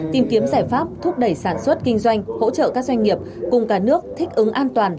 tìm kiếm giải pháp thúc đẩy sản xuất kinh doanh hỗ trợ các doanh nghiệp cùng cả nước thích ứng an toàn